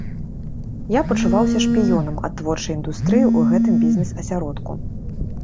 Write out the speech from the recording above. Я пачуваўся шпіёнам ад творчай індустрыі ў гэтым бізнес-асяродку.